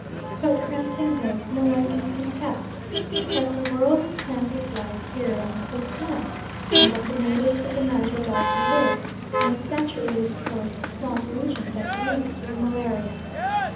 But granting this, no one can contest but that the world he spends his life here in is damp, and that the natives of the Niger Delta live in a saturated forest swamp region that reeks with malaria.